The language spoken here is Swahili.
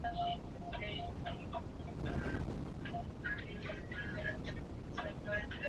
Ecuador Guyana Suriname pamoja na Guyana ya